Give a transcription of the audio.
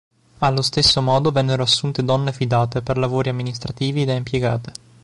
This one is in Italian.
Allo stesso modo vennero assunte donne fidate per lavori amministrativi e da impiegate.